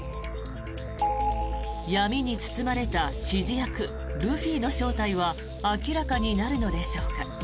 闇に包まれた指示役ルフィの正体は明らかになるのでしょうか。